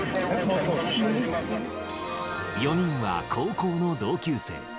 ４人は高校の同級生。